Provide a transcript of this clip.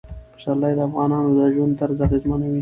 پسرلی د افغانانو د ژوند طرز اغېزمنوي.